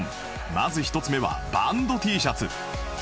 まず１つ目はバンド Ｔ シャツ